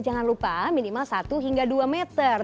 jangan lupa minimal satu hingga dua meter